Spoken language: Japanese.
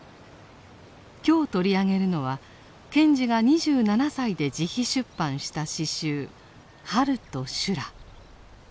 今日取り上げるのは賢治が２７歳で自費出版した詩集「春と修羅」。